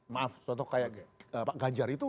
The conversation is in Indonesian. maaf contoh kayak pak ganjar itu